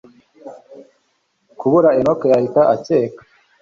kuburyo enock yahita acyeka